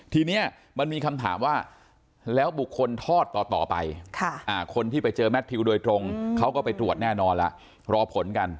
ทีนี้มันมีคำถามว่าแล้วบุคคลทอดต่อไปคนที่ไปเจอแมททิวโดยตรงเขาก็ไปตรวจแน่นอนแล้วรอผลกัน